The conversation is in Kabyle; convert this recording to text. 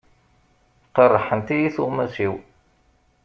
Qerrḥent-iyi tuɣmas-iw.